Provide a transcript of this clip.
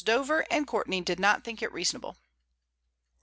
Dover and Courtney did not think it reasonable.